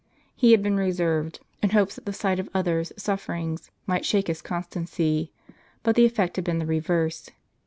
He had been reserved, in hopes that the sight of others' sufferings might shake his constancy ; but the effect had been the reverse.